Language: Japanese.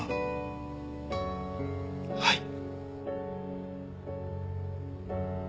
はい。